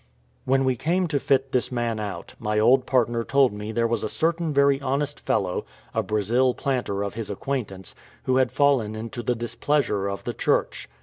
When we came to fit this man out, my old partner told me there was a certain very honest fellow, a Brazil planter of his acquaintance, who had fallen into the displeasure of the Church.